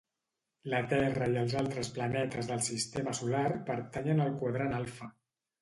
La Terra i els altres planetes del Sistema Solar pertanyen al Quadrant Alfa.